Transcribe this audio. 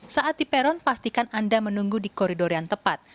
saat di peron pastikan anda menunggu di koridor yang tepat